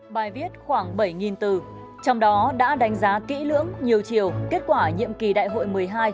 bài viết khoảng bảy bốn trăm linh trong đó đã đánh giá kỹ lưỡng nhiều chiều kết quả nhiệm kỳ đại hội một mươi hai